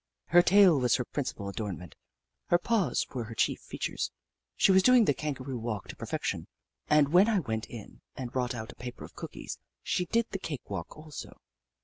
Her tail was her principal adornment ; her paws were her chief features. She was doing the kangaroo walk to perfection, and when I went in and brought out a paper of cookies she did the cake walk also.